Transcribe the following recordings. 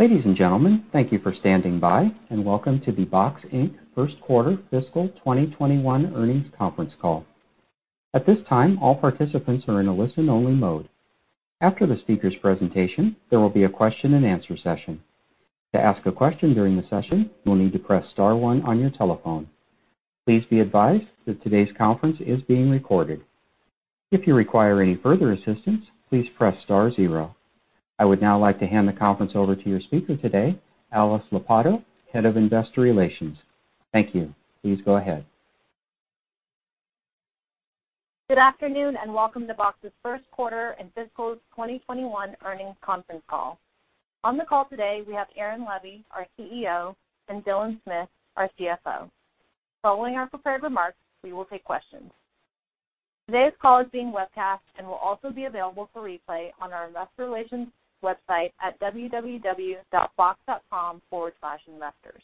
Ladies and gentlemen thank you for standing by, and welcome to the Box, Inc. First Quarter Fiscal 2021 Earnings Conference Call. At this time, all participants are in a listen-only mode. After the speaker's presentation, there will be a question and answer session. To ask a question during the session, you'll need to press star one on your telephone. Please be advised that today's conference is being recorded. If you require any further assistance, please press star zero. I would now like to hand the conference over to your speaker today, Alice Lopatto, Head of Investor Relations. Thank you. Please go ahead. Good afternoon and welcome to Box's first quarter and fiscal 2021 earnings conference call. On the call today, we have Aaron Levie, our CEO, and Dylan Smith, our CFO. Following our prepared remarks, we will take questions. Today's call is being webcast and will also be available for replay on our investor relations website at www.box.com/investors.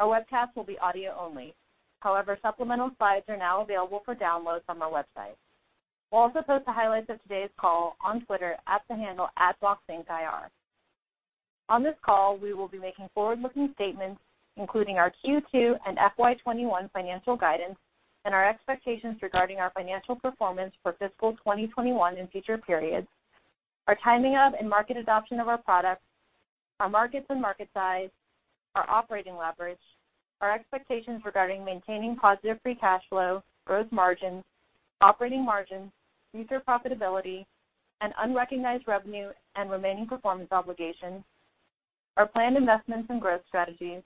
Our webcast will be audio only. However, supplemental slides are now available for download from our website. We'll also post the highlights of today's call on Twitter at the handle @boxincIR. On this call, we will be making forward-looking statements, including our Q2 and FY 2021 financial guidance and our expectations regarding our financial performance for fiscal 2021 and future periods, our timing of and market adoption of our products, our markets and market size, our operating leverage, our expectations regarding maintaining positive free cash flow, growth margins, operating margins, future profitability, and unrecognized revenue and remaining performance obligations, our planned investments and growth strategies,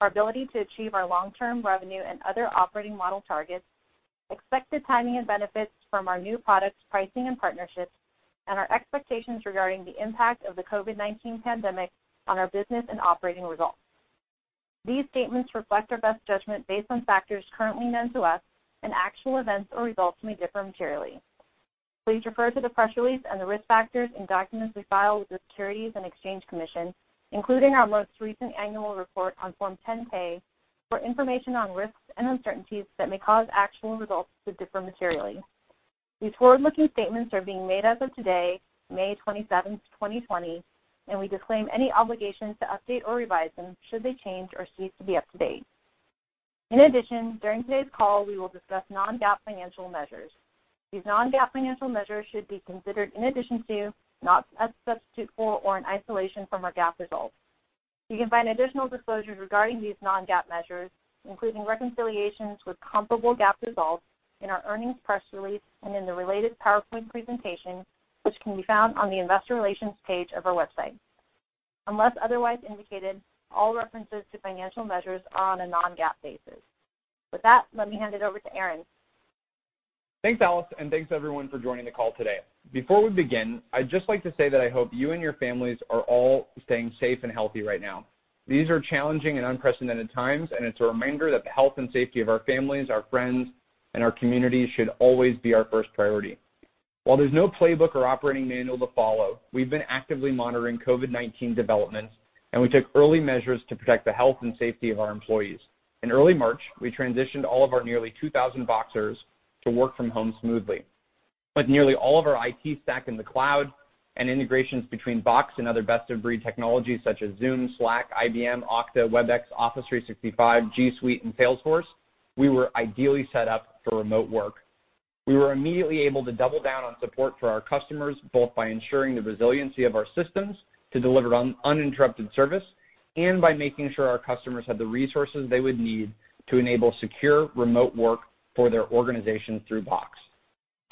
our ability to achieve our long-term revenue and other operating model targets, expected timing and benefits from our new products, pricing and partnerships, and our expectations regarding the impact of the COVID-19 pandemic on our business and operating results. These statements reflect our best judgment based on factors currently known to us, and actual events or results may differ materially. Please refer to the press release and the risk factors and documents we file with the Securities and Exchange Commission, including our most recent annual report on Form 10-K, for information on risks and uncertainties that may cause actual results to differ materially. These forward-looking statements are being made as of today, May 27th, 2020, and we disclaim any obligation to update or revise them should they change or cease to be up to date. During today's call, we will discuss non-GAAP financial measures. These non-GAAP financial measures should be considered in addition to, not as a substitute for or in isolation from, our GAAP results. You can find additional disclosures regarding these non-GAAP measures, including reconciliations with comparable GAAP results, in our earnings press release and in the related PowerPoint presentation, which can be found on the investor relations page of our website. Unless otherwise indicated, all references to financial measures are on a non-GAAP basis. With that, let me hand it over to Aaron. Thanks Alice and thanks everyone, for joining the call today. Before we begin, I'd just like to say that I hope you and your families are all staying safe and healthy right now. These are challenging and unprecedented times, and it's a reminder that the health and safety of our families, our friends, and our communities should always be our first priority. While there's no playbook or operating manual to follow, we've been actively monitoring COVID-19 developments, and we took early measures to protect the health and safety of our employees. In early March, we transitioned all of our nearly 2,000 Boxers to work from home smoothly. With nearly all of our IT stack in the cloud and integrations between Box and other best-of-breed technologies such as Zoom, Slack, IBM, Okta, Webex, Office 365, G Suite, and Sales force, we were ideally set up for remote work. We were immediately able to double down on support for our customers, both by ensuring the resiliency of our systems to deliver uninterrupted service and by making sure our customers had the resources they would need to enable secure remote work for their organizations through Box.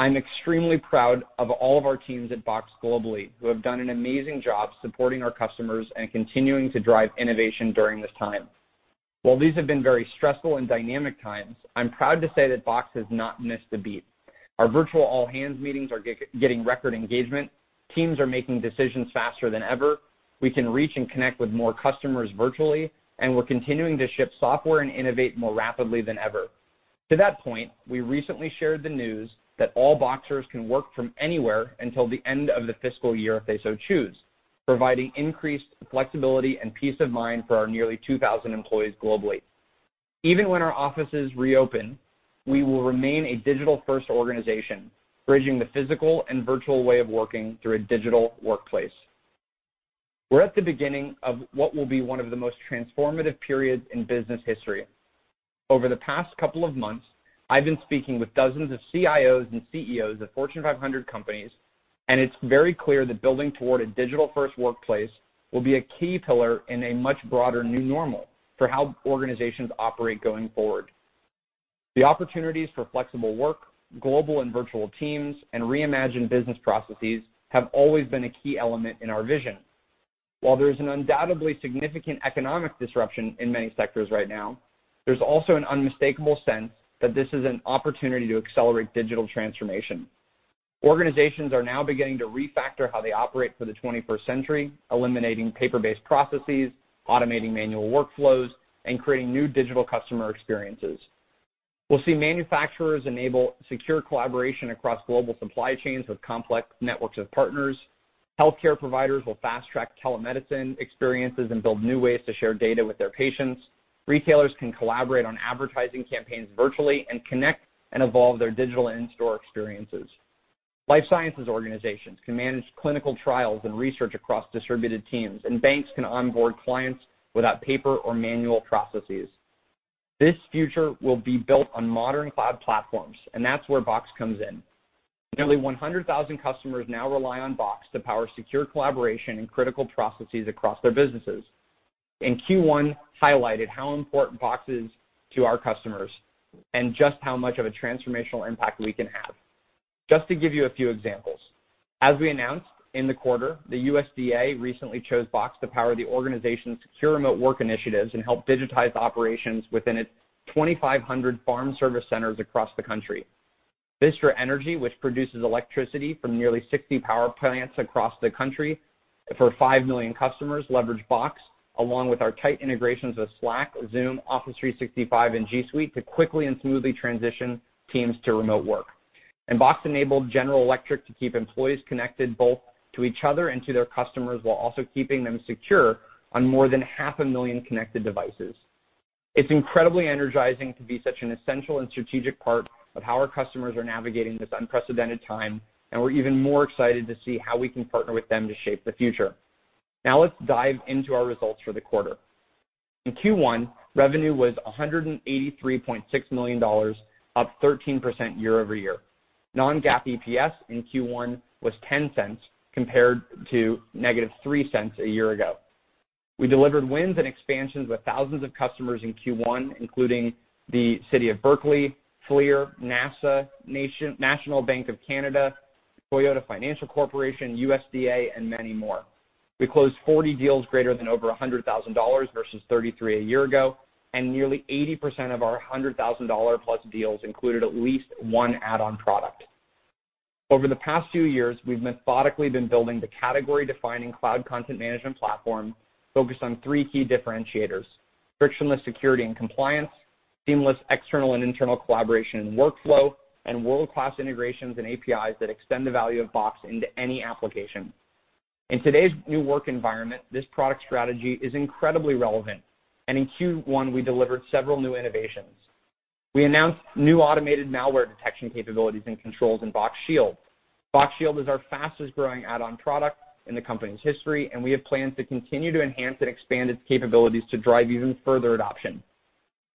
I'm extremely proud of all of our teams at Box globally who have done an amazing job supporting our customers and continuing to drive innovation during this time. While these have been very stressful and dynamic times, I'm proud to say that Box has not missed a beat. Our virtual all-hands meetings are getting record engagement. Teams are making decisions faster than ever. We can reach and connect with more customers virtually, we're continuing to ship software and innovate more rapidly than ever. To that point, we recently shared the news that all Boxers can work from anywhere until the end of the fiscal year if they so choose, providing increased flexibility and peace of mind for our nearly 2,000 employees globally. Even when our offices reopen, we will remain a digital-first organization, bridging the physical and virtual way of working through a digital workplace. We're at the beginning of what will be one of the most transformative periods in business history. Over the past couple of months, I've been speaking with dozens of CIOs and CEOs of Fortune 500 companies, and it's very clear that building toward a digital-first workplace will be a key pillar in a much broader new normal for how organizations operate going forward. The opportunities for flexible work, global and virtual teams, and reimagined business processes have always been a key element in our vision. While there is an undoubtedly significant economic disruption in many sectors right now, there's also an unmistakable sense that this is an opportunity to accelerate digital transformation. Organizations are now beginning to refactor how they operate for the 21st century, eliminating paper-based processes, automating manual workflows, and creating new digital customer experiences. We'll see manufacturers enable secure collaboration across global supply chains with complex networks of partners. Healthcare providers will fast-track telemedicine experiences and build new ways to share data with their patients. Retailers can collaborate on advertising campaigns virtually and connect and evolve their digital in-store experiences. Life sciences organizations can manage clinical trials and research across distributed teams, and banks can onboard clients without paper or manual processes. This future will be built on modern cloud platforms, and that's where Box comes in. Nearly 100,000 customers now rely on Box to power secure collaboration and critical processes across their businesses. Q1 highlighted how important Box is to our customers and just how much of a transformational impact we can have. Just to give you a few examples, as we announced in the quarter, the USDA recently chose Box to power the organization's secure remote work initiatives and help digitize operations within its 2,500 farm service centers across the country. Vistra Energy, which produces electricity from nearly 60 power plants across the country for 5 million customers, leveraged Box, along with our tight integrations of Slack, Zoom, Office 365, and G Suite, to quickly and smoothly transition teams to remote work. Box enabled General Electric to keep employees connected both to each other and to their customers, while also keeping them secure on more than half a million connected devices. It's incredibly energizing to be such an essential and strategic part of how our customers are navigating this unprecedented time, and we're even more excited to see how we can partner with them to shape the future. Now let's dive into our results for the quarter. In Q1, revenue was $183.6 million, up 13% year-over-year. Non-GAAP EPS in Q1 was $0.10 compared to negative $0.03 a year ago. We delivered wins and expansions with thousands of customers in Q1, including the City of Berkeley, FLIR, NASA, National Bank of Canada, Toyota Financial Services, USDA, and many more. We closed 40 deals greater than over $100,000 versus 33 a year ago, and nearly 80% of our $100,000-plus deals included at least one add-on product. Over the past few years, we've methodically been building the category-defining cloud content management platform focused on three key differentiators: frictionless security and compliance, seamless external and internal collaboration and workflow, and world-class integrations and APIs that extend the value of Box into any application. In today's new work environment, this product strategy is incredibly relevant, and in Q1, we delivered several new innovations. We announced new automated malware detection capabilities and controls in Box Shield. Box Shield is our fastest-growing add-on product in the company's history, and we have plans to continue to enhance and expand its capabilities to drive even further adoption.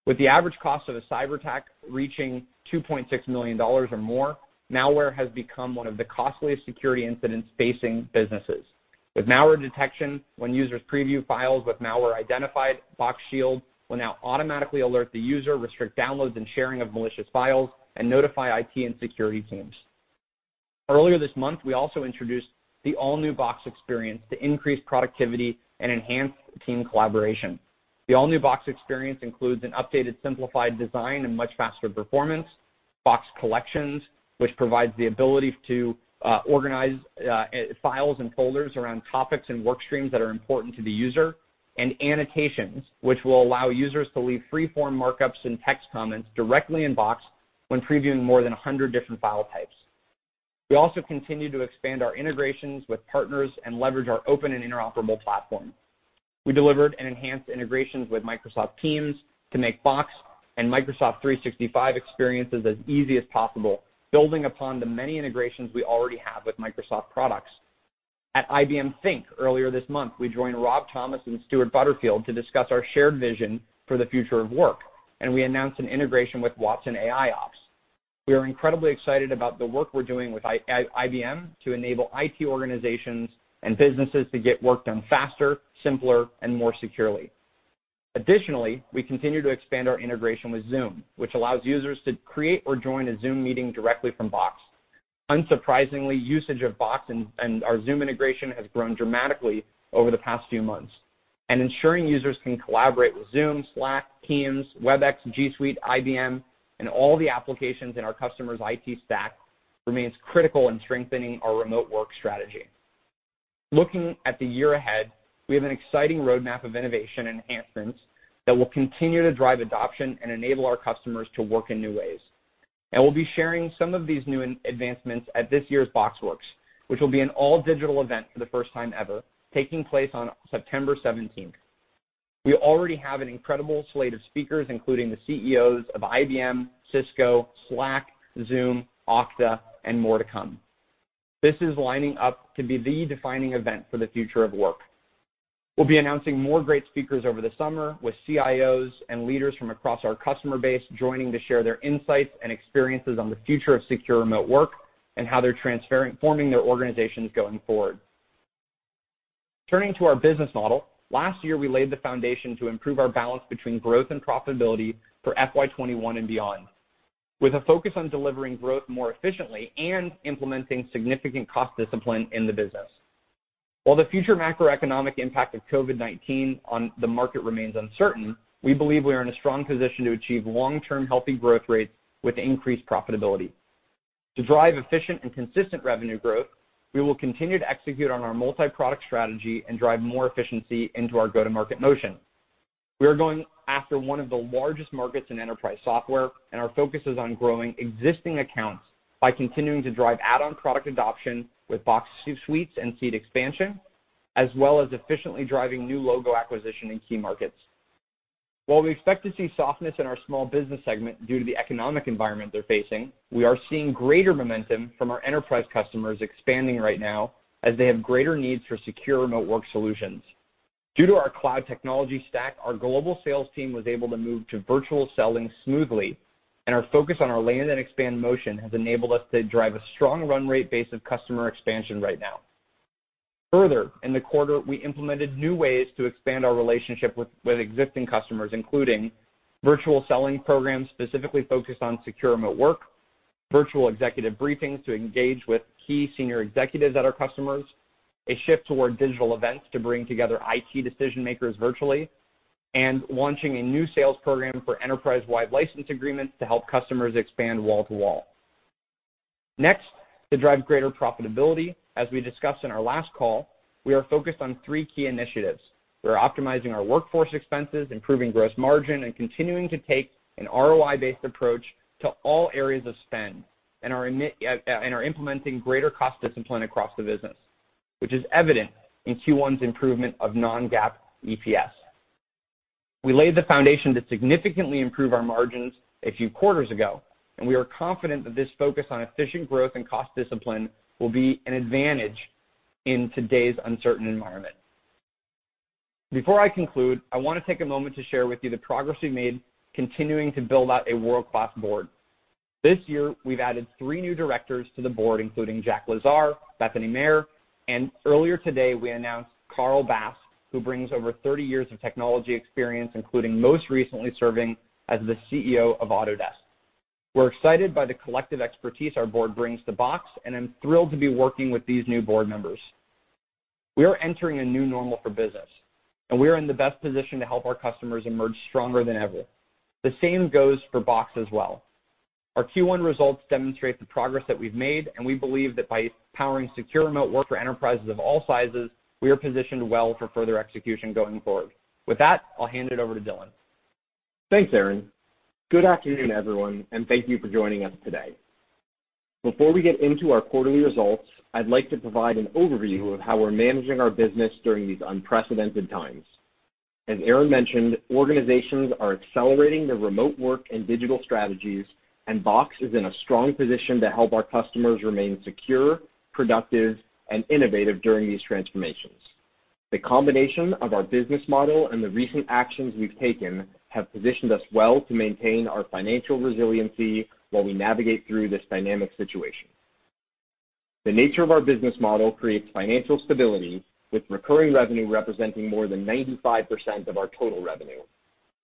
With the average cost of a cyber attack reaching $2.6 million or more, malware has become one of the costliest security incidents facing businesses. With malware detection, when users preview files with malware identified, Box Shield will now automatically alert the user, restrict downloads and sharing of malicious files, and notify IT and security teams. Earlier this month, we also introduced the all-new Box experience to increase productivity and enhance team collaboration. The all-new Box experience includes an updated, simplified design and much faster performance, Box Collections, which provides the ability to organize files and folders around topics and work streams that are important to the user, and Annotations, which will allow users to leave free-form markups and text comments directly in Box when previewing more than 100 different file types. We also continue to expand our integrations with partners and leverage our open and interoperable platform. We delivered and enhanced integrations with Microsoft Teams to make Box and Microsoft 365 experiences as easy as possible, building upon the many integrations we already have with Microsoft products. At IBM Think earlier this month, we joined Rob Thomas and Stewart Butterfield to discuss our shared vision for the future of work, and we announced an integration with Watson AIOps. We are incredibly excited about the work we're doing with IBM to enable IT organizations and businesses to get work done faster, simpler, and more securely. Additionally, we continue to expand our integration with Zoom, which allows users to create or join a Zoom meeting directly from Box. Unsurprisingly, usage of Box and our Zoom integration has grown dramatically over the past few months, and ensuring users can collaborate with Zoom, Slack, Teams, Webex, G Suite, IBM, and all the applications in our customers' IT stack remains critical in strengthening our remote work strategy. Looking at the year ahead, we have an exciting roadmap of innovation enhancements that will continue to drive adoption and enable our customers to work in new ways. We'll be sharing some of these new advancements at this year's BoxWorks, which will be an all-digital event for the first time ever, taking place on September 17th. We already have an incredible slate of speakers, including the CEOs of IBM, Cisco, Slack, Zoom, Okta, and more to come. This is lining up to be the defining event for the future of work. We'll be announcing more great speakers over the summer, with CIOs and leaders from across our customer base joining to share their insights and experiences on the future of secure remote work and how they're transforming their organizations going forward. Turning to our business model, last year, we laid the foundation to improve our balance between growth and profitability for FY 2021 and beyond, with a focus on delivering growth more efficiently and implementing significant cost discipline in the business. While the future macroeconomic impact of COVID-19 on the market remains uncertain, we believe we are in a strong position to achieve long-term healthy growth rates with increased profitability. To drive efficient and consistent revenue growth, we will continue to execute on our multi-product strategy and drive more efficiency into our go-to-market motion. We are going after one of the largest markets in enterprise software, and our focus is on growing existing accounts by continuing to drive add-on product adoption with Box Suites and seat expansion, as well as efficiently driving new logo acquisition in key markets. While we expect to see softness in our small business segment due to the economic environment they're facing, we are seeing greater momentum from our enterprise customers expanding right now as they have greater needs for secure remote work solutions. Due to our cloud technology stack, our global sales team was able to move to virtual selling smoothly, and our focus on our land and expand motion has enabled us to drive a strong run rate base of customer expansion right now. Further, in the quarter, we implemented new ways to expand our relationship with existing customers, including virtual selling programs specifically focused on secure remote work, virtual executive briefings to engage with key senior executives at our customers, a shift toward digital events to bring together IT decision-makers virtually, and launching a new sales program for enterprise-wide license agreements to help customers expand wall to wall. Next, to drive greater profitability, as we discussed in our last call, we are focused on three key initiatives. We're optimizing our workforce expenses, improving gross margin, and continuing to take an ROI-based approach to all areas of spend, and are implementing greater cost discipline across the business, which is evident in Q1's improvement of non-GAAP EPS. We laid the foundation to significantly improve our margins a few quarters ago. We are confident that this focus on efficient growth and cost discipline will be an advantage in today's uncertain environment. Before I conclude, I want to take a moment to share with you the progress we made continuing to build out a world-class board. This year, we've added 3 new directors to the board, including Jack Lazar, Bethany Mayer. Earlier today, we announced Carl Bass, who brings over 30 years of technology experience, including most recently serving as the CEO of Autodesk. We're excited by the collective expertise our board brings to Box. I am thrilled to be working with these new board members. We are entering a new normal for business. We are in the best position to help our customers emerge stronger than ever. The same goes for Box as well. Our Q1 results demonstrate the progress that we've made. We believe that by powering secure remote work for enterprises of all sizes, we are positioned well for further execution going forward. With that, I'll hand it over to Dylan. Thanks Aaron. Good afternoon everyone. Thank you for joining us today. Before we get into our quarterly results, I'd like to provide an overview of how we're managing our business during these unprecedented times. As Aaron mentioned, organizations are accelerating their remote work and digital strategies, and Box is in a strong position to help our customers remain secure, productive, and innovative during these transformations. The combination of our business model and the recent actions we've taken have positioned us well to maintain our financial resiliency while we navigate through this dynamic situation. The nature of our business model creates financial stability, with recurring revenue representing more than 95% of our total revenue.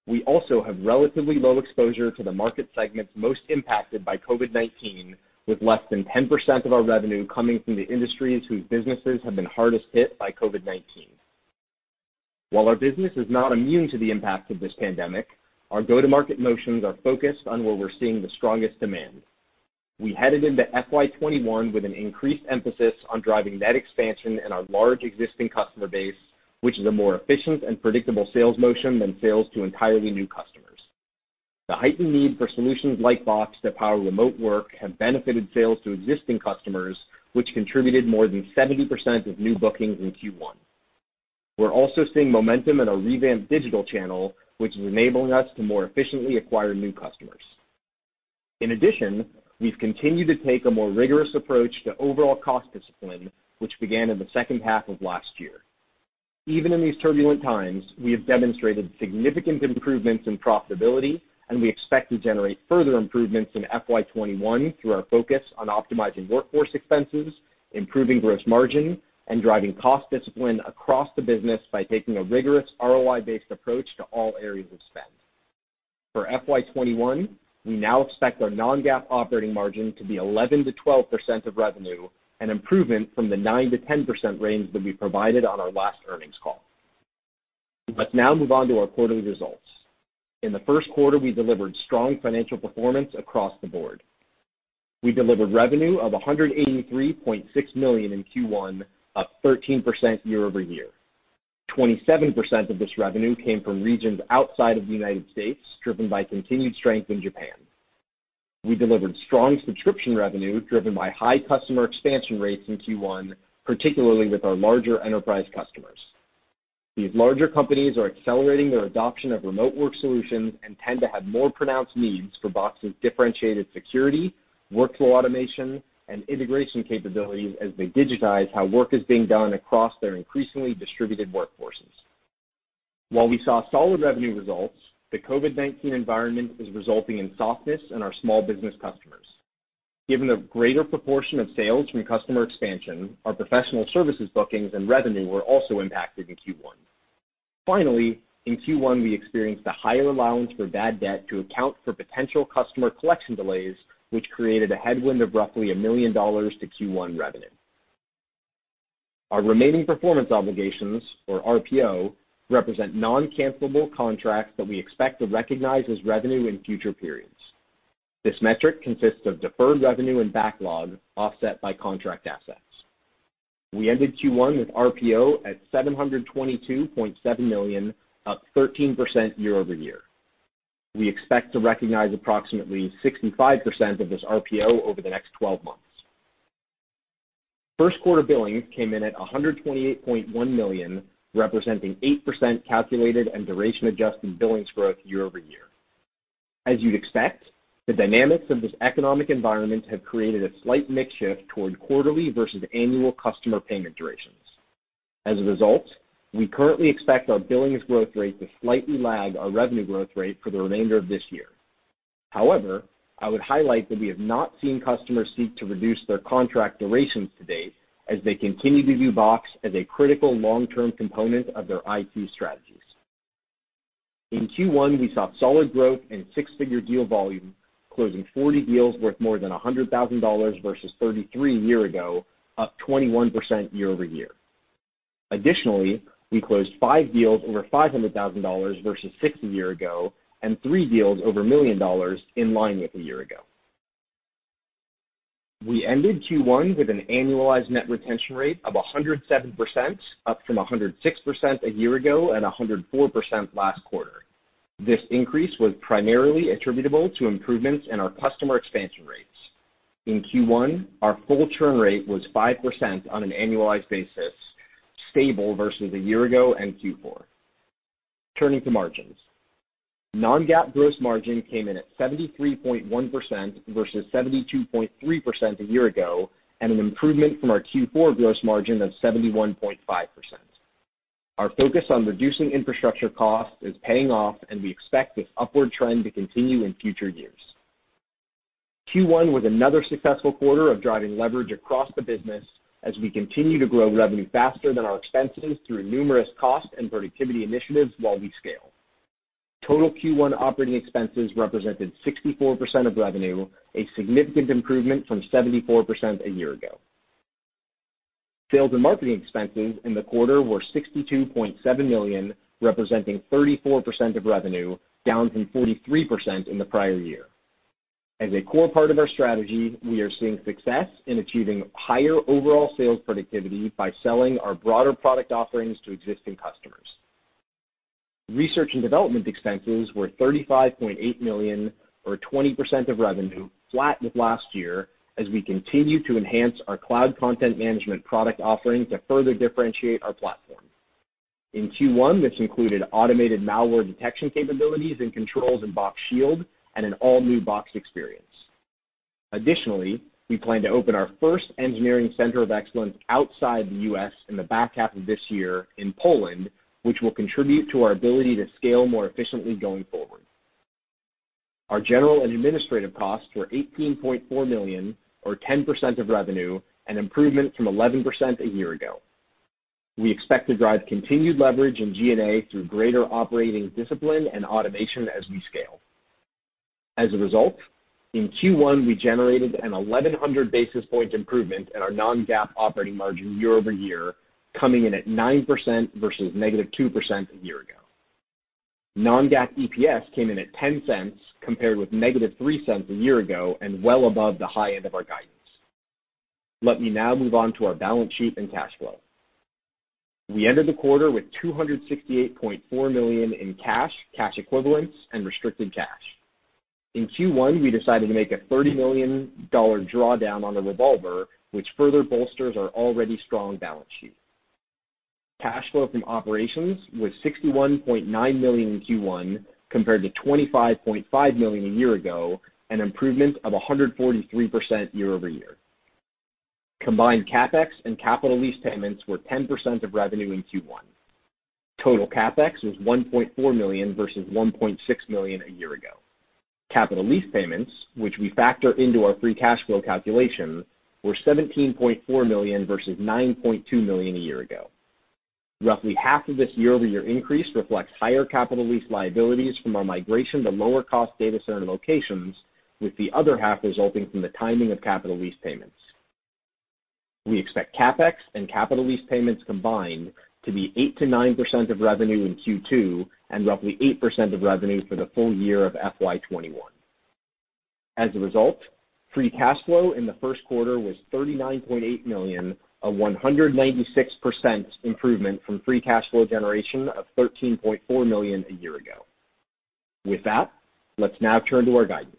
We also have relatively low exposure to the market segments most impacted by COVID-19, with less than 10% of our revenue coming from the industries whose businesses have been hardest hit by COVID-19. While our business is not immune to the impact of this pandemic, our go-to-market motions are focused on where we're seeing the strongest demand. We headed into FY 2021 with an increased emphasis on driving net expansion in our large existing customer base, which is a more efficient and predictable sales motion than sales to entirely new customers. The heightened need for solutions like Box that power remote work have benefited sales to existing customers, which contributed more than 70% of new bookings in Q1. We're also seeing momentum in our revamped digital channel, which is enabling us to more efficiently acquire new customers. In addition, we've continued to take a more rigorous approach to overall cost discipline, which began in the second half of last year. Even in these turbulent times, we have demonstrated significant improvements in profitability, and we expect to generate further improvements in FY 2021 through our focus on optimizing workforce expenses, improving gross margin, and driving cost discipline across the business by taking a rigorous ROI-based approach to all areas of spend. For FY 2021, we now expect our non-GAAP operating margin to be 11%-12% of revenue, an improvement from the 9%-10% range that we provided on our last earnings call. Let's now move on to our quarterly results. In the first quarter, we delivered strong financial performance across the board. We delivered revenue of $183.6 million in Q1, up 13% year-over-year. 27% of this revenue came from regions outside of the United States, driven by continued strength in Japan. We delivered strong subscription revenue, driven by high customer expansion rates in Q1, particularly with our larger enterprise customers. These larger companies are accelerating their adoption of remote work solutions and tend to have more pronounced needs for Box's differentiated security, workflow automation, and integration capabilities as they digitize how work is being done across their increasingly distributed workforces. While we saw solid revenue results, the COVID-19 environment is resulting in softness in our small business customers. Given the greater proportion of sales from customer expansion, our professional services bookings and revenue were also impacted in Q1. Finally, in Q1, we experienced a higher allowance for bad debt to account for potential customer collection delays, which created a headwind of roughly $1 million to Q1 revenue. Our remaining performance obligations, or RPO, represent non-cancelable contracts that we expect to recognize as revenue in future periods. This metric consists of deferred revenue and backlog offset by contract assets. We ended Q1 with RPO at $722.7 million, up 13% year over year. We expect to recognize approximately 65% of this RPO over the next 12 months. First quarter billings came in at $128.1 million, representing 8% calculated and duration-adjusted billings growth year over year. As you'd expect, the dynamics of this economic environment have created a slight mix shift toward quarterly versus annual customer payment durations. As a result, we currently expect our billings growth rate to slightly lag our revenue growth rate for the remainder of this year. However, I would highlight that we have not seen customers seek to reduce their contract durations to date as they continue to view Box as a critical long-term component of their IT strategies. In Q1, we saw solid growth in six-figure deal volume, closing 40 deals worth more than $100,000 versus 33 year ago, up 21% year-over-year. Additionally, we closed five deals over $500,000 versus six a year ago, and three deals over $1 million in line with a year ago. We ended Q1 with an annualized net retention rate of 107%, up from 106% a year ago and 104% last quarter. This increase was primarily attributable to improvements in our customer expansion rates. In Q1, our full churn rate was 5% on an annualized basis, stable versus a year ago and Q4. Turning to margins. non-GAAP gross margin came in at 73.1% versus 72.3% a year ago, and an improvement from our Q4 gross margin of 71.5%. Our focus on reducing infrastructure costs is paying off, and we expect this upward trend to continue in future years. Q1 was another successful quarter of driving leverage across the business as we continue to grow revenue faster than our expenses through numerous cost and productivity initiatives while we scale. Total Q1 operating expenses represented 64% of revenue, a significant improvement from 74% a year ago. Sales and marketing expenses in the quarter were $62.7 million, representing 34% of revenue, down from 43% in the prior year. As a core part of our strategy, we are seeing success in achieving higher overall sales productivity by selling our broader product offerings to existing customers. Research and development expenses were $35.8 million, or 20% of revenue, flat with last year as we continue to enhance our cloud content management product offering to further differentiate our platform. In Q1, this included automated malware detection capabilities and controls in Box Shield and an all-new Box experience. Additionally, we plan to open our first engineering center of excellence outside the U.S. in the back half of this year in Poland, which will contribute to our ability to scale more efficiently going forward. Our general and administrative costs were $18.4 million, or 10% of revenue, an improvement from 11% a year ago. We expect to drive continued leverage in G&A through greater operating discipline and automation as we scale. As a result, in Q1, we generated an 1,100 basis point improvement in our non-GAAP operating margin year-over-year, coming in at 9% versus negative 2% a year ago. Non-GAAP EPS came in at $0.10, compared with -$0.03 a year ago, and well above the high end of our guidance. Let me now move on to our balance sheet and cash flow. We ended the quarter with $268.4 million in cash equivalents, and restricted cash. In Q1, we decided to make a $30 million drawdown on the revolver, which further bolsters our already strong balance sheet. Cash flow from operations was $61.9 million in Q1 compared to $25.5 million a year ago, an improvement of 143% year-over-year. Combined CapEx and capital lease payments were 10% of revenue in Q1. Total CapEx was $1.4 million versus $1.6 million a year ago. Capital lease payments, which we factor into our free cash flow calculation, were $17.4 million versus $9.2 million a year ago. Roughly half of this year-over-year increase reflects higher capital lease liabilities from our migration to lower-cost data center locations, with the other half resulting from the timing of capital lease payments. We expect CapEx and capital lease payments combined to be 8%-9% of revenue in Q2 and roughly 8% of revenue for the full year of FY 2021. As a result, free cash flow in the first quarter was $39.8 million, a 196% improvement from free cash flow generation of $13.4 million a year ago. With that, let's now turn to our guidance.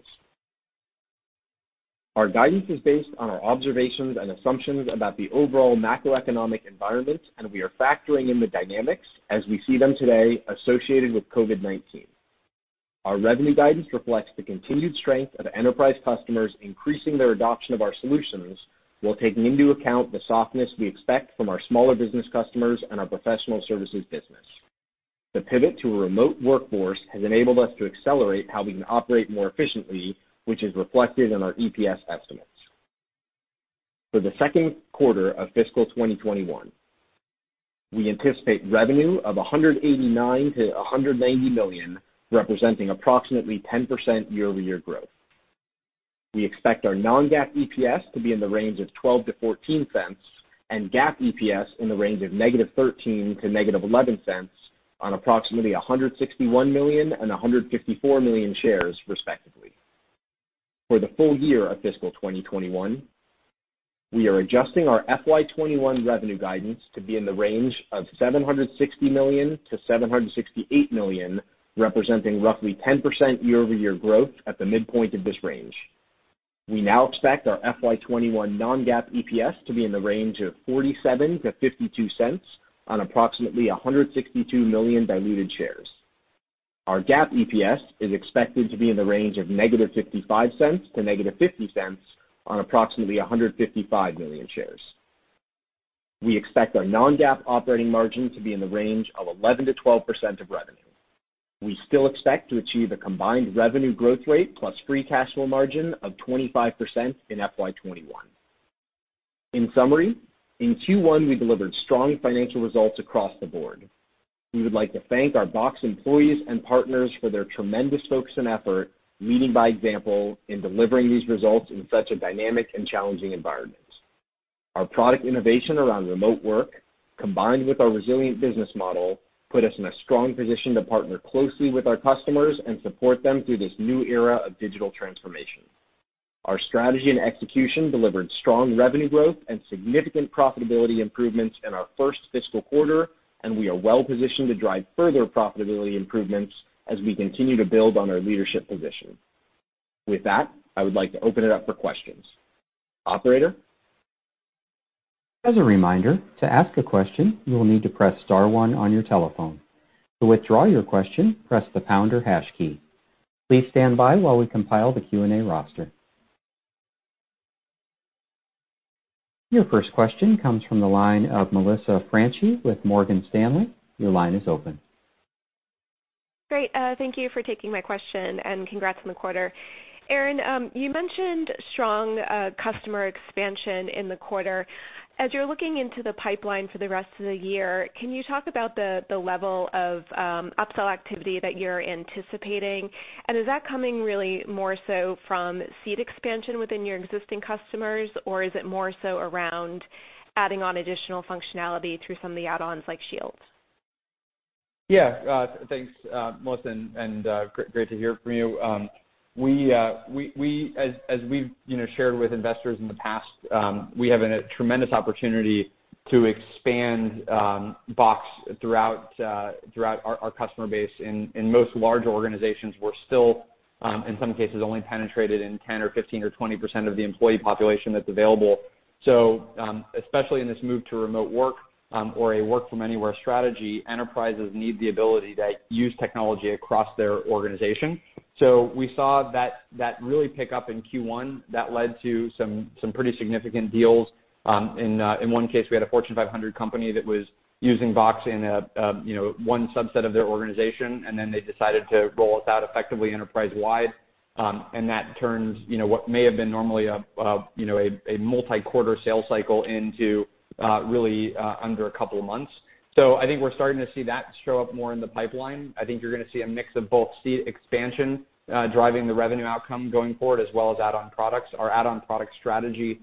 Our guidance is based on our observations and assumptions about the overall macroeconomic environment, and we are factoring in the dynamics as we see them today associated with COVID-19. Our revenue guidance reflects the continued strength of enterprise customers increasing their adoption of our solutions while taking into account the softness we expect from our smaller business customers and our professional services business. The pivot to a remote workforce has enabled us to accelerate how we can operate more efficiently, which is reflected in our EPS estimates. For the second quarter of fiscal 2021, we anticipate revenue of $189 million-$190 million, representing approximately 10% year-over-year growth. We expect our non-GAAP EPS to be in the range of $0.12-$0.14 and GAAP EPS in the range of -$0.13 to -$0.11 on approximately 161 million and 154 million shares, respectively. For the full year of fiscal 2021, we are adjusting our FY 2021 revenue guidance to be in the range of $760 million-$768 million, representing roughly 10% year-over-year growth at the midpoint of this range. We now expect our FY 2021 non-GAAP EPS to be in the range of $0.47-$0.52 on approximately 162 million diluted shares. Our GAAP EPS is expected to be in the range of -$0.55 to -$0.50 on approximately 155 million shares. We expect our non-GAAP operating margin to be in the range of 11%-12% of revenue. We still expect to achieve a combined revenue growth rate plus free cash flow margin of 25% in FY 2021. In summary, in Q1 we delivered strong financial results across the board. We would like to thank our Box employees and partners for their tremendous focus and effort, leading by example in delivering these results in such a dynamic and challenging environment. Our product innovation around remote work, combined with our resilient business model, put us in a strong position to partner closely with our customers and support them through this new era of digital transformation. Our strategy and execution delivered strong revenue growth and significant profitability improvements in our first fiscal quarter, and we are well positioned to drive further profitability improvements as we continue to build on our leadership position. With that, I would like to open it up for questions. Operator? As a reminder, to ask a question, you will need to press star one on your telephone. To withdraw your question, press the pound or hash key. Please stand by while we compile the Q&A roster. Your first question comes from the line of Melissa Franchi with Morgan Stanley. Your line is open. Great. Thank you for taking my question, and congrats on the quarter. Aaron, you mentioned strong customer expansion in the quarter. As you're looking into the pipeline for the rest of the year, can you talk about the level of upsell activity that you're anticipating? Is that coming really more so from seat expansion within your existing customers, or is it more so around adding on additional functionality through some of the add-ons like Shield? Yeah. Thanks Melissa, great to hear from you. As we've shared with investors in the past, we have a tremendous opportunity to expand Box throughout our customer base. In most large organizations, we're still, in some cases, only penetrated in 10% or 15% or 20% of the employee population that's available. Especially in this move to remote work, or a work from anywhere strategy, enterprises need the ability to use technology across their organization. We saw that really pick up in Q1. That led to some pretty significant deals. In one case, we had a Fortune 500 company that was using Box in one subset of their organization. They decided to roll it out effectively enterprise-wide. That turns what may have been normally a multi-quarter sales cycle into really under a couple of months. I think we're starting to see that show up more in the pipeline. I think you're going to see a mix of both seat expansion driving the revenue outcome going forward, as well as add-on products. Our add-on product strategy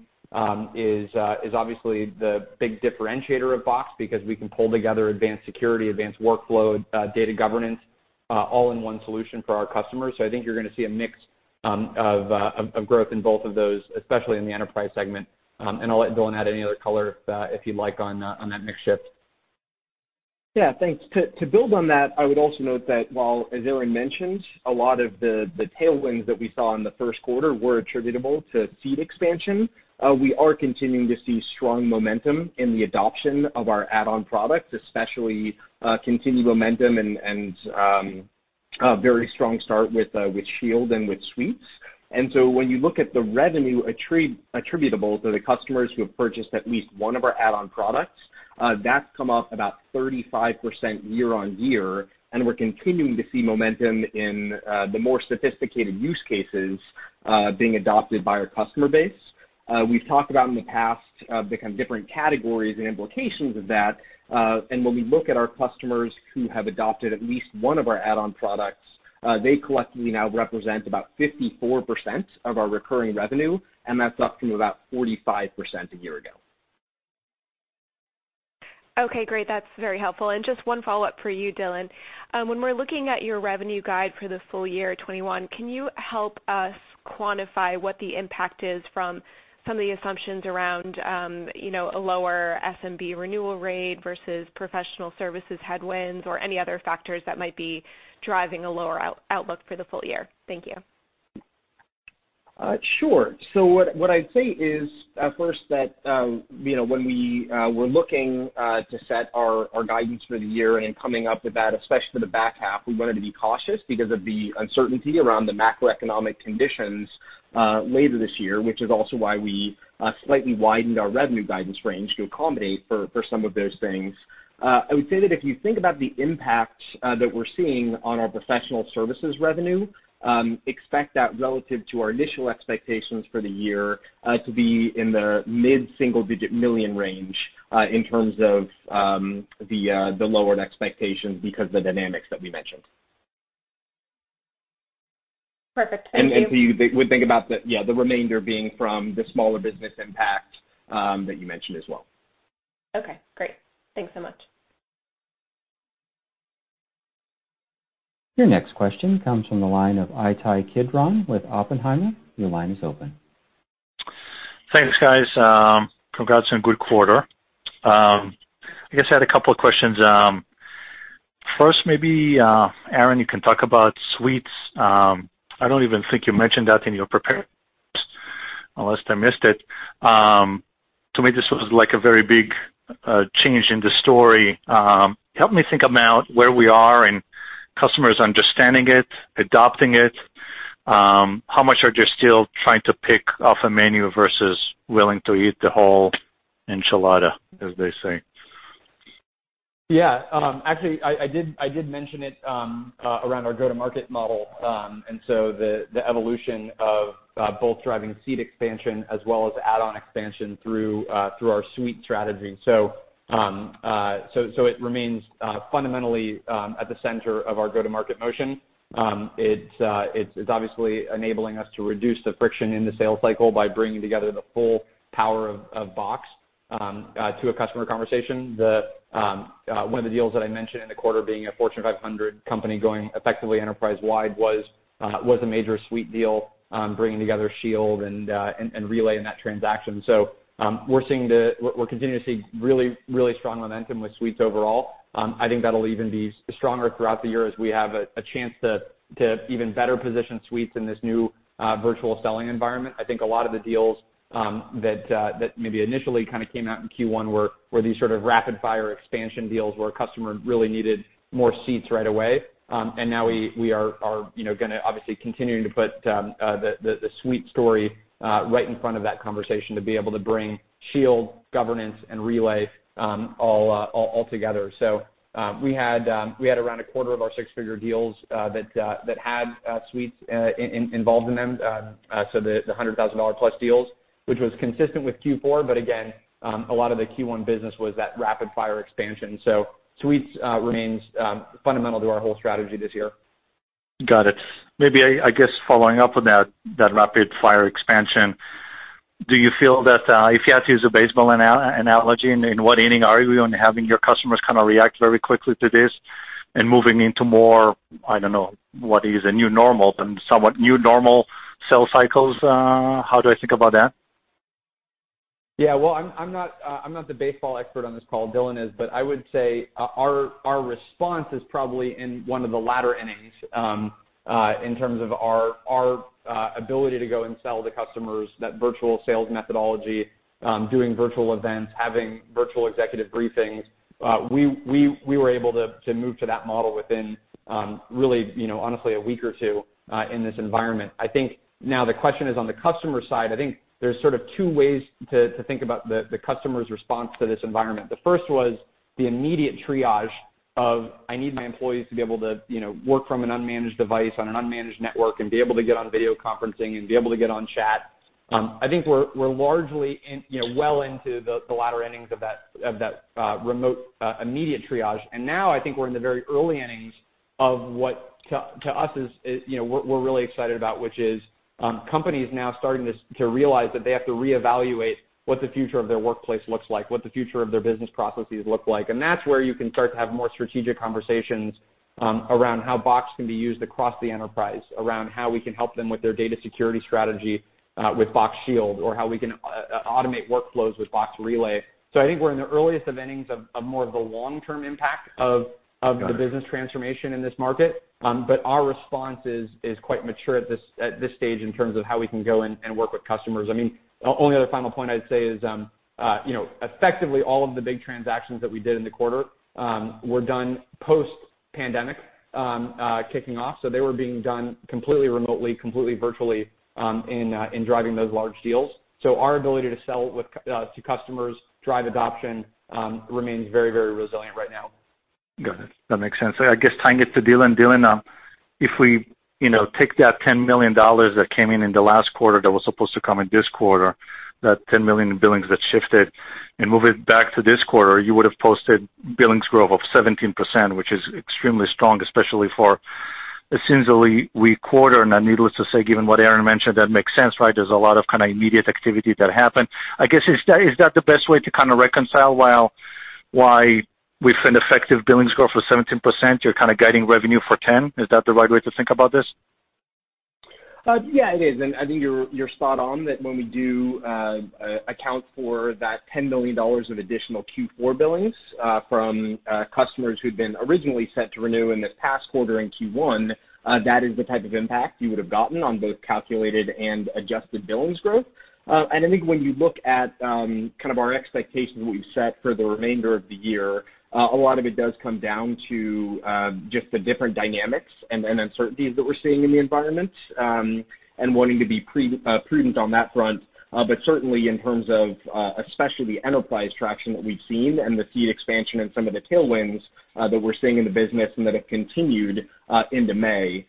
is obviously the big differentiator of Box, because we can pull together advanced security, advanced workflow, data governance, all in one solution for our customers. I think you're going to see a mix of growth in both of those, especially in the enterprise segment. I'll let Dylan add any other color, if you'd like, on that mix shift. Yeah, thanks. To build on that, I would also note that while, as Aaron mentioned, a lot of the tailwinds that we saw in the first quarter were attributable to seat expansion, we are continuing to see strong momentum in the adoption of our add-on products, especially continued momentum and a very strong start with Shield and with Suites. When you look at the revenue attributable to the customers who have purchased at least one of our add-on products, that's come up about 35% year-on-year, and we're continuing to see momentum in the more sophisticated use cases being adopted by our customer base. We've talked about in the past the kind of different categories and implications of that, and when we look at our customers who have adopted at least one of our add-on products, they collectively now represent about 54% of our recurring revenue, and that's up from about 45% a year ago. Okay, great. That's very helpful. Just one follow-up for you, Dylan. When we're looking at your revenue guide for the full year 2021, can you help us quantify what the impact is from some of the assumptions around a lower SMB renewal rate versus professional services headwinds or any other factors that might be driving a lower outlook for the full year? Thank you. Sure. What I'd say is, at first that when we were looking to set our guidance for the year and coming up with that, especially for the back half, we wanted to be cautious because of the uncertainty around the macroeconomic conditions later this year, which is also why we slightly widened our revenue guidance range to accommodate for some of those things. I would say that if you think about the impact that we're seeing on our professional services revenue, expect that relative to our initial expectations for the year to be in the mid-single digit million range in terms of the lowered expectations because of the dynamics that we mentioned. Perfect. Thank you. You would think about the remainder being from the smaller business impact that you mentioned as well. Okay great. Thanks so much. Your next question comes from the line of Ittai Kidron with Oppenheimer. Your line is open. Thanks guys. Congrats on a good quarter. I guess I had a couple of questions. First maybe, Aaron, you can talk about Suites. I don't even think you mentioned that in your prepared notes, unless I missed it. To me, this was a very big change in the story. Help me think about where we are and customers understanding it, adopting it. How much are they still trying to pick off a menu versus willing to eat the whole enchilada, as they say? Yeah. Actually, I did mention it around our go-to-market model, the evolution of both driving seat expansion as well as add-on expansion through our Suite strategy. It remains fundamentally at the center of our go-to-market motion. It's obviously enabling us to reduce the friction in the sales cycle by bringing together the full power of Box to a customer conversation. One of the deals that I mentioned in the quarter being a Fortune 500 company going effectively enterprise-wide was a major Suite deal, bringing together Shield and Relay in that transaction. We're continuing to see really strong momentum with Suites overall. I think that'll even be stronger throughout the year as we have a chance to even better position Suites in this new virtual selling environment. I think a lot of the deals that maybe initially came out in Q1 were these sort of rapid-fire expansion deals where a customer really needed more seats right away. Now we are going to obviously continuing to put the Suites story right in front of that conversation to be able to bring Shield, Governance, and Relay all together. We had around a quarter of our six-figure deals that had Suites involved in them, so the $100,000-plus deals, which was consistent with Q4. Again, a lot of the Q1 business was that rapid-fire expansion. Suites remains fundamental to our whole strategy this year. Got it. I guess following up on that rapid-fire expansion, do you feel that, if you had to use a baseball analogy, in what inning are you in having your customers react very quickly to this and moving into more, I don't know, what is a new normal, somewhat new normal sales cycles? How do I think about that? Well, I'm not the baseball expert on this call, Dylan is, but I would say our response is probably in one of the latter innings, in terms of our ability to go and sell to customers that virtual sales methodology, doing virtual events, having virtual executive briefings. We were able to move to that model within, really, honestly, a week or two in this environment. Now the question is on the customer side. There's two ways to think about the customer's response to this environment. The first was the immediate triage of, I need my employees to be able to work from an unmanaged device on an unmanaged network and be able to get on video conferencing and be able to get on chat. We're largely well into the latter innings of that remote immediate triage. I think we're in the very early innings of what, to us, we're really excited about, which is companies now starting to realize that they have to reevaluate what the future of their workplace looks like, what the future of their business processes look like. That's where you can start to have more strategic conversations around how Box can be used across the enterprise, around how we can help them with their data security strategy with Box Shield, or how we can automate workflows with Box Relay. I think we're in the earliest of innings of more of the long-term impact of. Got it. the business transformation in this market. Our response is quite mature at this stage in terms of how we can go in and work with customers. Only other final point I'd say is, effectively all of the big transactions that we did in the quarter were done post-pandemic kicking off. They were being done completely remotely, completely virtually, in driving those large deals. Our ability to sell to customers, drive adoption, remains very resilient right now. Got it. That makes sense. I guess tying it to Dylan. Dylan, if we take that $10 million that came in in the last quarter that was supposed to come in this quarter, that $10 million in billings that shifted, and move it back to this quarter, you would have posted billings growth of 17%, which is extremely strong, especially for it seems a weak quarter. Now, needless to say, given what Aaron mentioned, that makes sense, right? There's a lot of immediate activity that happened. I guess, is that the best way to reconcile why with an effective billings growth of 17%, you're guiding revenue for 10%? Is that the right way to think about this? Yeah, it is, and I think you're spot on that when we do account for that $10 million of additional Q4 billings from customers who'd been originally set to renew in this past quarter in Q1, that is the type of impact you would have gotten on both calculated and adjusted billings growth. I think when you look at our expectations, what we've set for the remainder of the year, a lot of it does come down to just the different dynamics and uncertainties that we're seeing in the environment, and wanting to be prudent on that front. Certainly in terms of, especially the enterprise traction that we've seen and the seat expansion and some of the tailwinds that we're seeing in the business and that have continued into May,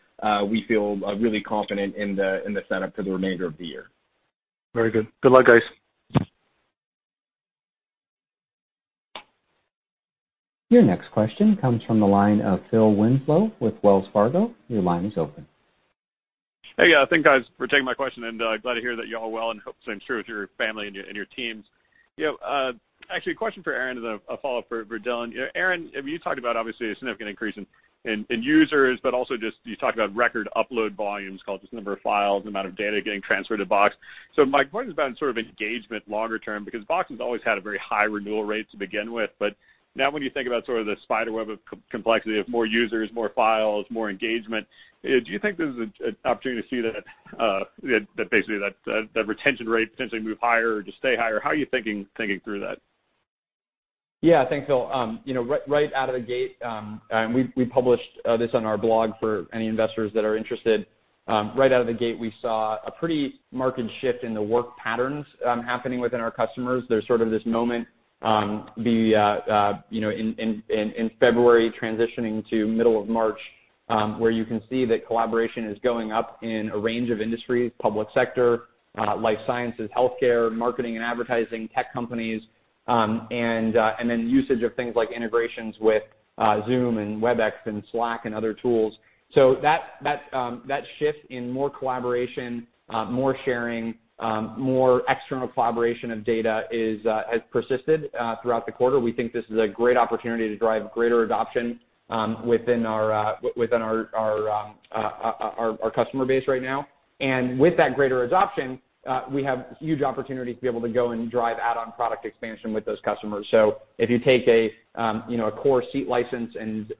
we feel really confident in the setup for the remainder of the year. Very good. Good luck guys. Your next question comes from the line of Phil Winslow with Wells Fargo. Your line is open. Hey. Yeah. Thanks guys for taking my question and glad to hear that you all are well, and hope same's true with your family and your teams. Actually, a question for Aaron as a follow-up for Dylan. Aaron, you talked about, obviously, a significant increase in users, also just you talked about record upload volumes called just number of files, amount of data getting transferred to Box. My point has been sort of engagement longer term, because Box has always had a very high renewal rate to begin with, now when you think about sort of the spider web of complexity of more users, more files, more engagement, do you think there's an opportunity to see that basically that retention rate potentially move higher or just stay higher? How are you thinking through that? Yeah, thanks Phil. Right out of the gate, we published this on our blog for any investors that are interested. Right out of the gate, we saw a pretty marked shift in the work patterns happening within our customers. There's sort of this moment, in February transitioning to middle of March, where you can see that collaboration is going up in a range of industries, public sector, life sciences, healthcare, marketing and advertising, tech companies, and then usage of things like integrations with Zoom and Webex and Slack and other tools. That shift in more collaboration, more sharing, more external collaboration of data has persisted throughout the quarter. We think this is a great opportunity to drive greater adoption within our customer base right now. With that greater adoption, we have huge opportunity to be able to go and drive add-on product expansion with those customers. If you take a core seat license and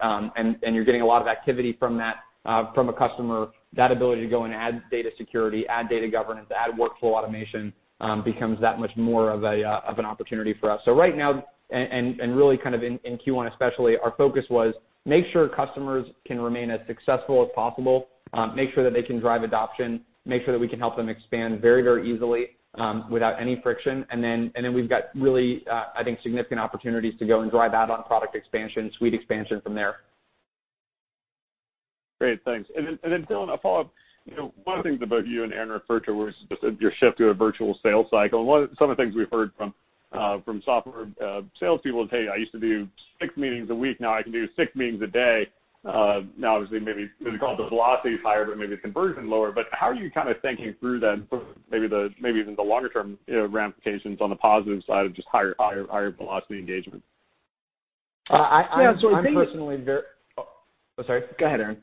you're getting a lot of activity from a customer, that ability to go and add data security, add data governance, add workflow automation, becomes that much more of an opportunity for us. Right now, and really in Q1 especially, our focus was make sure customers can remain as successful as possible, make sure that they can drive adoption, make sure that we can help them expand very easily without any friction. Then we've got really, I think, significant opportunities to go and drive add-on product expansion, suite expansion from there. Great thanks. Dylan, a follow-up. One of the things that both you and Aaron referred to was just your shift to a virtual sales cycle, and some of the things we've heard from software salespeople is, "Hey, I used to do six meetings a week, now I can do six meetings a day." Obviously maybe because the velocity is higher, maybe the conversion lower, how are you kind of thinking through then maybe even the longer-term ramifications on the positive side of just higher velocity engagement? I'm personally very. Yeah. Oh, sorry. Go ahead, Aaron.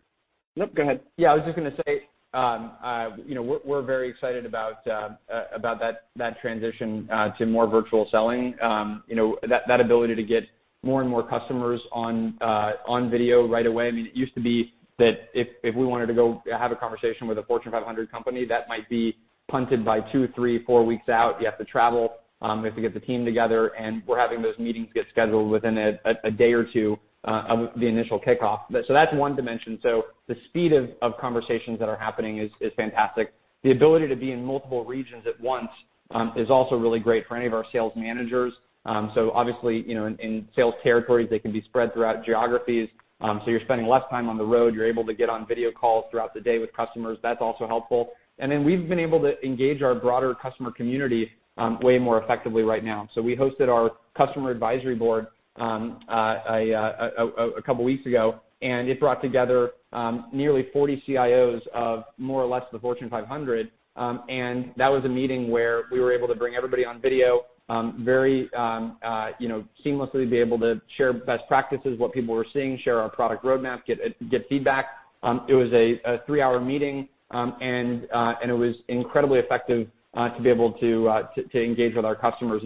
Nope, go ahead. Yeah, I was just going to say, we're very excited about that transition to more virtual selling. That ability to get more and more customers on video right away. It used to be that if we wanted to go have a conversation with a Fortune 500 company, that might be punted by 2, 3, 4 weeks out. You have to travel, we have to get the team together, and we're having those meetings get scheduled within a day or two of the initial kickoff. That's one dimension. The speed of conversations that are happening is fantastic. The ability to be in multiple regions at once is also really great for any of our sales managers. Obviously, in sales territories, they can be spread throughout geographies. You're spending less time on the road, you're able to get on video calls throughout the day with customers. That's also helpful. We've been able to engage our broader customer community way more effectively right now. We hosted our customer advisory board a couple of weeks ago, and it brought together nearly 40 CIOs of more or less the Fortune 500. That was a meeting where we were able to bring everybody on video, very seamlessly be able to share best practices, what people were seeing, share our product roadmap, get feedback. It was a three-hour meeting, and it was incredibly effective to be able to engage with our customers.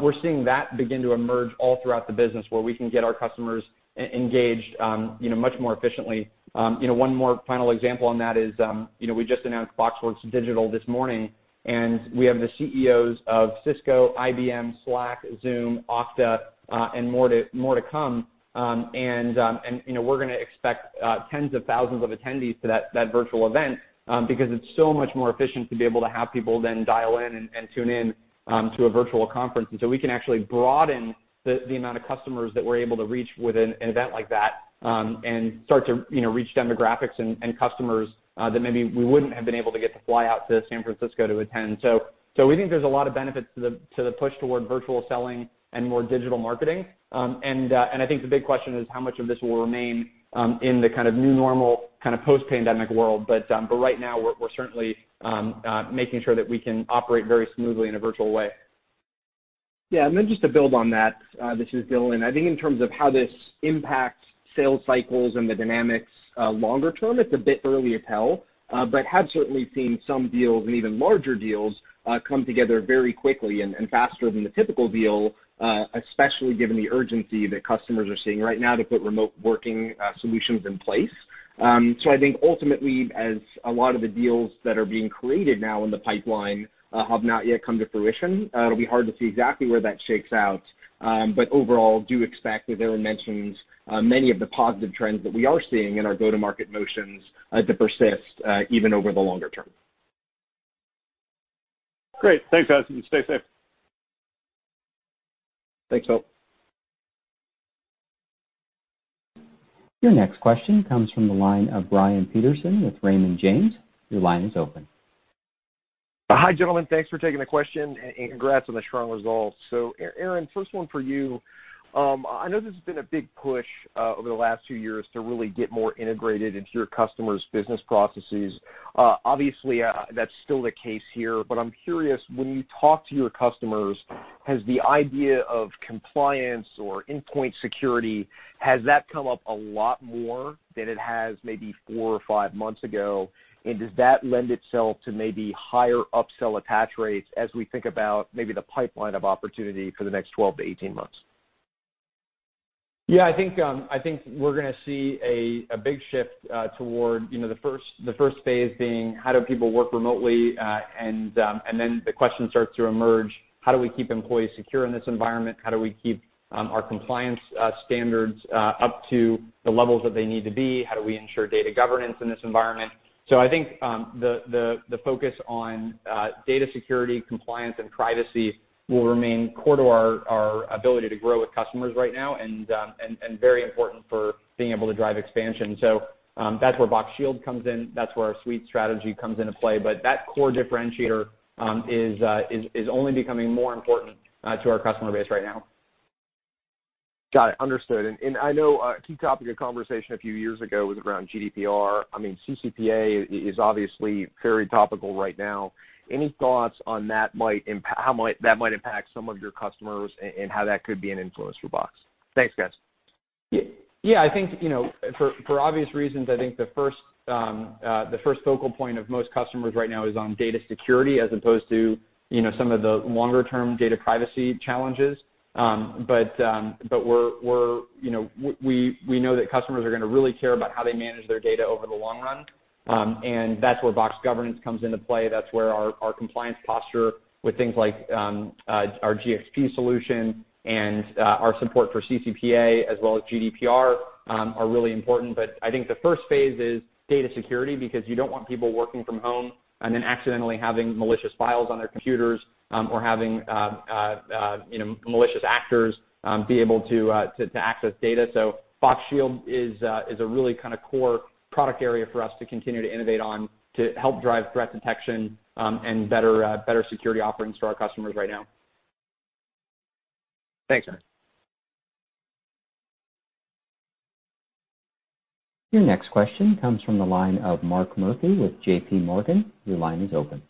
We're seeing that begin to emerge all throughout the business where we can get our customers engaged much more efficiently. One more final example on that is we just announced BoxWorks Digital this morning. We have the CEOs of Cisco, IBM, Slack, Zoom, Okta, and more to come. We're going to expect tens of thousands of attendees to that virtual event, because it's so much more efficient to be able to have people then dial in and tune in to a virtual conference. We can actually broaden the amount of customers that we're able to reach with an event like that, and start to reach demographics and customers that maybe we wouldn't have been able to get to fly out to San Francisco to attend. We think there's a lot of benefits to the push toward virtual selling and more digital marketing. I think the big question is how much of this will remain in the kind of new normal, post-pandemic world. Right now we're certainly making sure that we're operating very smoothly in a virtual way. Yeah, just to build on that, this is Dylan. I think in terms of how this impacts sales cycles and the dynamics longer term, it's a bit early to tell, have certainly seen some deals and even larger deals come together very quickly and faster than the typical deal, especially given the urgency that customers are seeing right now to put remote working solutions in place. I think ultimately, as a lot of the deals that are being created now in the pipeline have not yet come to fruition, it'll be hard to see exactly where that shakes out. Overall, do expect, as Aaron mentioned, many of the positive trends that we are seeing in our go-to-market motions to persist even over the longer term. Great. Thanks guys, and stay safe. Thanks Phil. Your next question comes from the line of Brian Peterson with Raymond James. Your line is open. Hi gentlemen. Thanks for taking the question, and congrats on the strong results. Aaron, first one for you. I know this has been a big push over the last two years to really get more integrated into your customers' business processes. Obviously, that's still the case here, but I'm curious, when you talk to your customers, has the idea of compliance or endpoint security, has that come up a lot more than it has maybe four or five months ago? Does that lend itself to maybe higher upsell attach rates as we think about maybe the pipeline of opportunity for the next 12-18 months? Yeah, I think we're going to see a big shift toward the first phase being how do people work remotely, and then the question starts to emerge: how do we keep employees secure in this environment? How do we keep our compliance standards up to the levels that they need to be? How do we ensure data governance in this environment? I think, the focus on data security, compliance, and privacy will remain core to our ability to grow with customers right now and very important for being able to drive expansion. That's where Box Shield comes in, that's where our Suites strategy comes into play, but that core differentiator is only becoming more important to our customer base right now. Got it. Understood. I know a key topic of conversation a few years ago was around GDPR. CCPA is obviously very topical right now. Any thoughts on how might that might impact some of your customers and how that could be an influence for Box? Thanks, guys. Yeah. For obvious reasons, I think the first focal point of most customers right now is on data security as opposed to some of the longer-term data privacy challenges. We know that customers are going to really care about how they manage their data over the long run, and that's where Box Governance comes into play. That's where our compliance posture with things like our GxP solution and our support for CCPA as well as GDPR are really important. I think the first phase is data security, because you don't want people working from home and then accidentally having malicious files on their computers, or having malicious actors be able to access data. Box Shield is a really core product area for us to continue to innovate on to help drive threat detection, and better security offerings to our customers right now. Thanks Aaron. Your next question comes from the line of Mark Murphy with JPMorgan. Your line is open.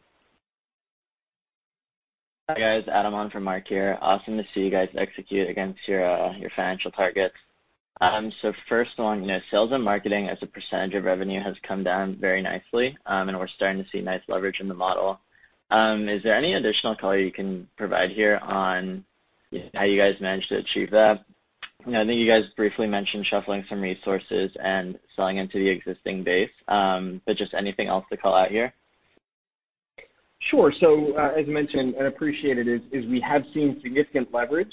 Hi guys. Adam on for Mark here. Awesome to see you guys execute against your financial targets. First one, sales and marketing as a percentage of revenue has come down very nicely, and we're starting to see nice leverage in the model. Is there any additional color you can provide here on how you guys managed to achieve that? I know you guys briefly mentioned shuffling some resources and selling into the existing base, just anything else to call out here? Sure. As mentioned and appreciated, we have seen significant leverage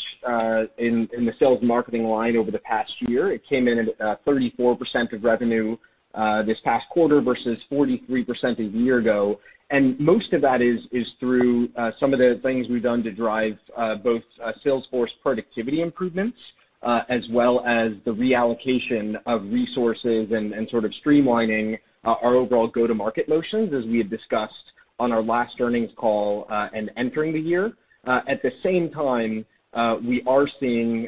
in the sales marketing line over the past year. It came in at 34% of revenue, this past quarter versus 43% a year ago. Most of that is through some of the things we've done to drive both Salesforce productivity improvements, as well as the reallocation of resources and sort of streamlining our overall go-to-market motions as we had discussed on our last earnings call, and entering the year. At the same time, we are seeing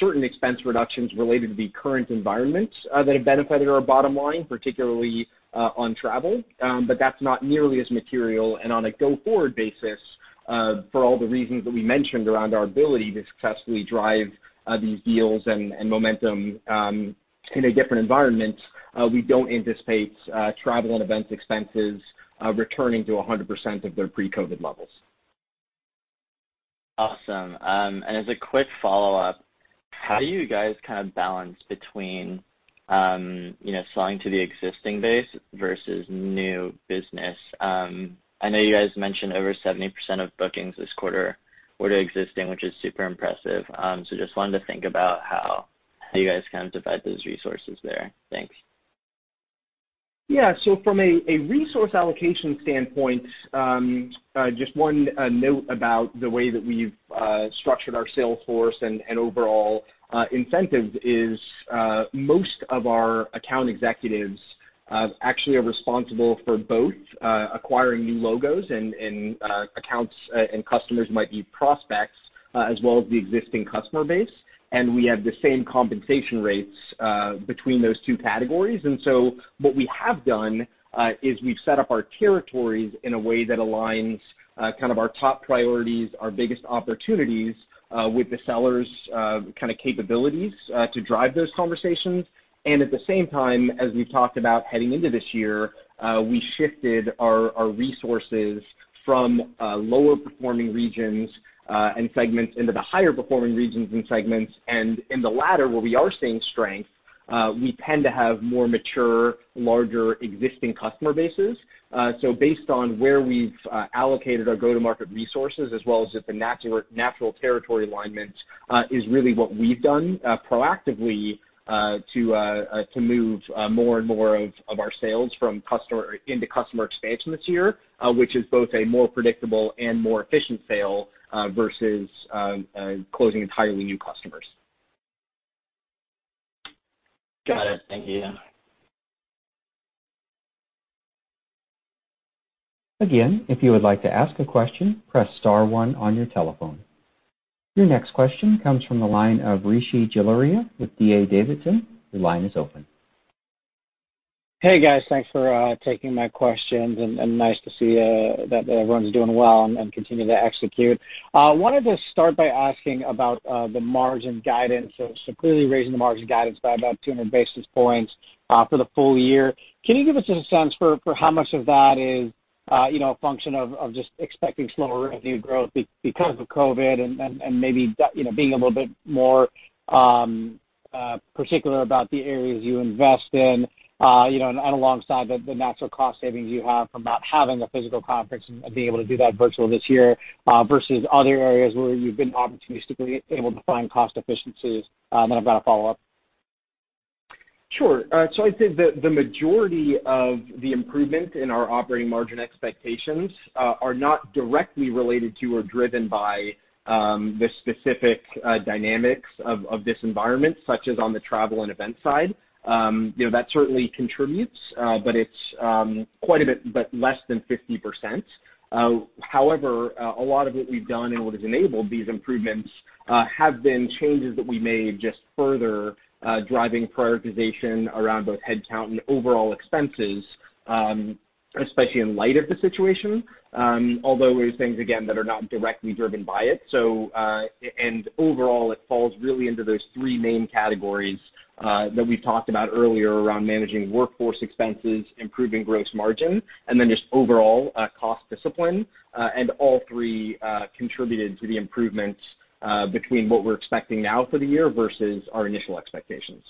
certain expense reductions related to the current environment that have benefited our bottom line, particularly on travel. That's not nearly as material. On a go-forward basis, for all the reasons that we mentioned around our ability to successfully drive these deals and momentum in a different environment, we don't anticipate travel and events expenses returning to 100% of their pre-COVID-19 levels. Awesome. As a quick follow-up, how do you guys kind of balance between selling to the existing base versus new business? I know you guys mentioned over 70% of bookings this quarter were to existing, which is super impressive. Just wanted to think about how you guys kind of divide those resources there. Thanks. From a resource allocation standpoint, just one note about the way that we've structured our sales force and overall incentives is, most of our account executives actually are responsible for both acquiring new logos and accounts, and customers might be prospects, as well as the existing customer base. We have the same compensation rates between those two categories. What we have done is we've set up our territories in a way that aligns our top priorities, our biggest opportunities, with the sellers' capabilities to drive those conversations. At the same time, as we've talked about heading into this year, we shifted our resources from lower performing regions and segments into the higher performing regions and segments. In the latter, where we are seeing strength, we tend to have more mature, larger existing customer bases. Based on where we've allocated our go-to-market resources as well as the natural territory alignment, is really what we've done proactively to move more and more of our sales into customer expansion this year, which is both a more predictable and more efficient sale, versus closing entirely new customers. Got it. Thank you. Again, if you would like to ask a question, press star one on your telephone. Your next question comes from the line of Rishi Jaluria with D.A. Davidson. Your line is open. Hey guys. Thanks for taking my questions and nice to see that everyone's doing well and continue to execute. Wanted to start by asking about the margin guidance. Clearly raising the margin guidance by about 200 basis points for the full year. Can you give us a sense for how much of that is a function of just expecting slower revenue growth because of COVID-19 and maybe being a little bit more particular about the areas you invest in, and alongside the natural cost savings you have from not having a physical conference and being able to do that virtual this year, versus other areas where you've been opportunistically able to find cost efficiencies? I've got a follow-up. Sure. I'd say the majority of the improvement in our operating margin expectations are not directly related to or driven by the specific dynamics of this environment, such as on the travel and event side. That certainly contributes, but it's quite a bit less than 50%. A lot of what we've done and what has enabled these improvements have been changes that we made just further driving prioritization around both headcount and overall expenses, especially in light of the situation. Although there's things, again, that are not directly driven by it. Overall, it falls really into those 3 main categories that we talked about earlier around managing workforce expenses, improving gross margin, and then just overall cost discipline. All three contributed to the improvements, between what we're expecting now for the year versus our initial expectations.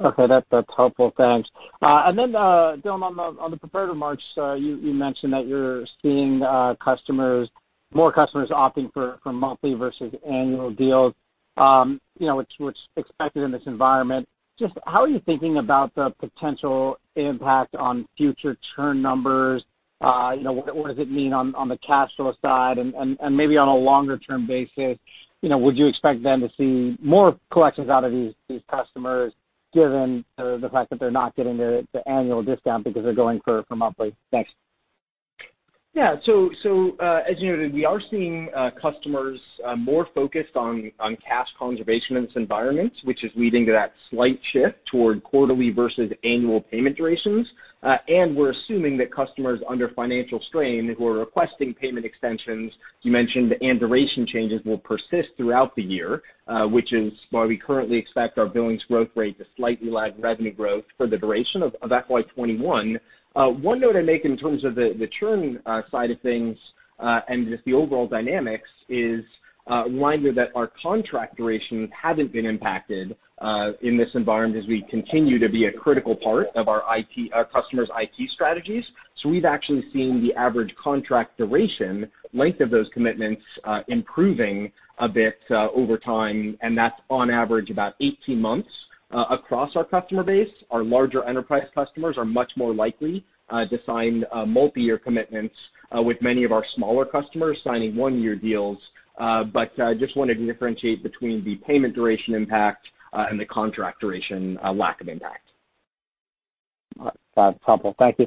Okay. That's helpful. Thanks. Dylan, on the prepared remarks, you mentioned that you're seeing more customers opting for monthly versus annual deals, which is expected in this environment. How are you thinking about the potential impact on future churn numbers? What does it mean on the cash flow side and maybe on a longer term basis? Would you expect then to see more collections out of these customers, given the fact that they're not getting the annual discount because they're going for monthly? Thanks. As you noted, we are seeing customers more focused on cash conservation in this environment, which is leading to that slight shift toward quarterly versus annual payment durations. We're assuming that customers under financial strain who are requesting payment extensions, you mentioned, and duration changes will persist throughout the year, which is why we currently expect our billings growth rate to slightly lag revenue growth for the duration of FY 2021. One note I'd make in terms of the churn side of things, and just the overall dynamics, is reminder that our contract durations haven't been impacted, in this environment as we continue to be a critical part of our customers' IT strategies. We've actually seen the average contract duration length of those commitments, improving a bit over time, and that's on average about 18 months across our customer base. Our larger enterprise customers are much more likely to sign multi-year commitments, with many of our smaller customers signing one-year deals. Just wanted to differentiate between the payment duration impact, and the contract duration lack of impact. All right. That's helpful. Thank you.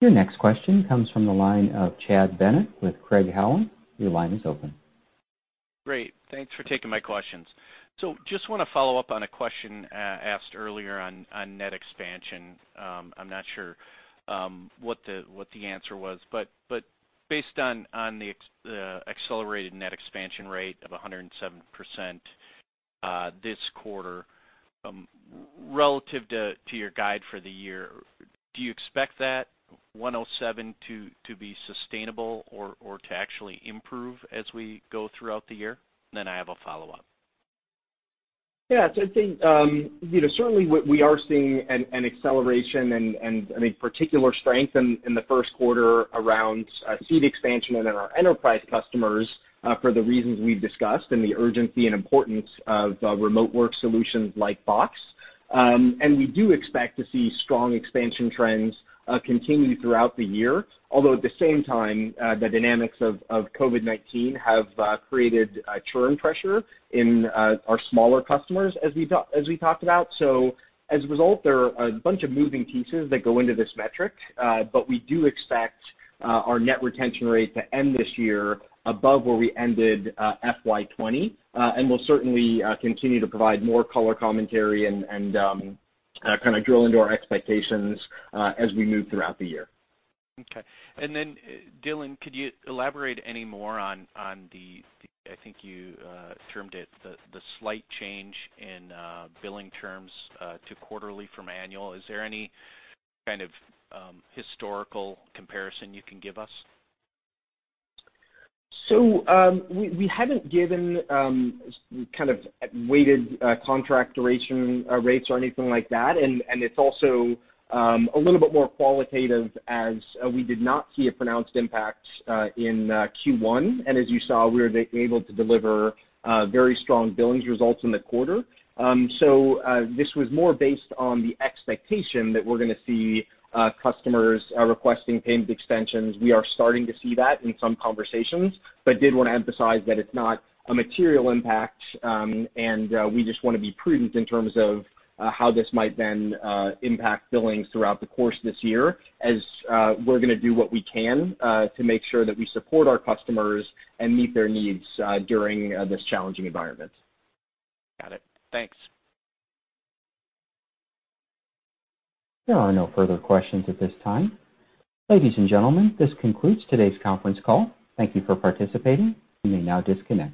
Your next question comes from the line of Chad Bennett with Craig-Hallum. Your line is open. Great. Thanks for taking my questions. Just want to follow up on a question asked earlier on net expansion. I'm not sure what the answer was, but based on the accelerated net expansion rate of 107% this quarter, relative to your guide for the year, do you expect that 107% to be sustainable or to actually improve as we go throughout the year? I have a follow-up. Yeah. I think certainly we are seeing an acceleration and a particular strength in the first quarter around seed expansion and in our enterprise customers for the reasons we've discussed and the urgency and importance of remote work solutions like Box. We do expect to see strong expansion trends continue throughout the year. At the same time, the dynamics of COVID-19 have created churn pressure in our smaller customers, as we talked about. As a result, there are a bunch of moving pieces that go into this metric. We do expect our net retention rate to end this year above where we ended FY 2020. We'll certainly continue to provide more color commentary and kind of drill into our expectations as we move throughout the year. Okay. Then Dylan, could you elaborate any more on the, I think you termed it, the slight change in billing terms to quarterly from annual. Is there any kind of historical comparison you can give us? We haven't given kind of weighted contract duration rates or anything like that. It's also a little bit more qualitative as we did not see a pronounced impact in Q1. As you saw, we were able to deliver very strong billings results in the quarter. This was more based on the expectation that we're going to see customers requesting payment extensions. We are starting to see that in some conversations, but did want to emphasize that it's not a material impact, and we just want to be prudent in terms of how this might then impact billings throughout the course of this year as we're going to do what we can to make sure that we support our customers and meet their needs during this challenging environment. Got it. Thanks. There are no further questions at this time. Ladies and gentlemen, this concludes today's conference call. Thank you for participating. You may now disconnect.